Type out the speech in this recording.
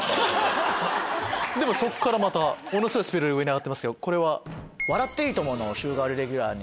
そっからものすごいスピードで上がってますけどこれは。